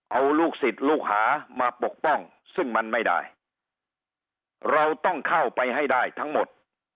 เอาลูกศิษย์ลูกหามาปกป้องซึ่งมันไม่ได้เราต้องเข้าไปให้ได้ทั้งหมด